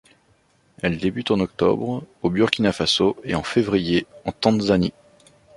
Elle débute en octobre au Burkina faso et en février en Tanzanie.